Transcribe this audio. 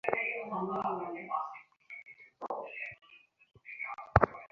তাই করপোরেশনের জরুরি কাজে কর্মকর্তারা এভাবে ছুটে আসেন তাঁর বাসভবন মোস্তফা-হাকিম ভবনে।